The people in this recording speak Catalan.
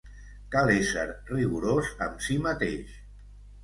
Cal ésser rigorós amb si mateix.